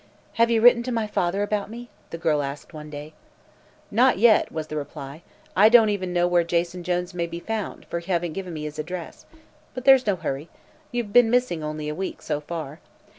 "Have you written to my father about me?" the girl asked one day. "Not yet," was the reply. "I don't even know where Jason Jones may be found, for you haven't given me his address. But there's no hurry. You have been missing only a week, so far.